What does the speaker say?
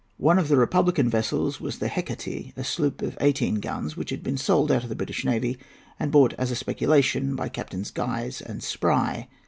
One of the republican vessels was the Hecate, a sloop of eighteen guns which had been sold out of the British navy and bought as a speculation by Captains Guise and Spry.